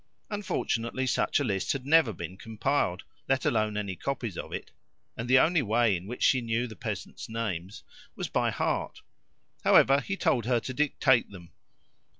Unfortunately, such a list had never been compiled, let alone any copies of it, and the only way in which she knew the peasants' names was by heart. However, he told her to dictate them.